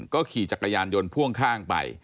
ขี่จักรยานยนต์พ่วงข้างไป